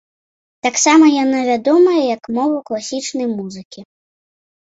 Таксама яна вядомая як мова класічнай музыкі.